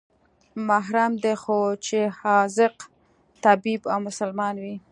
محرم دى خو چې حاذق طبيب او مسلمان وي.